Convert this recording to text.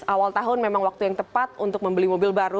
awal tahun memang waktu yang tepat untuk membeli mobil baru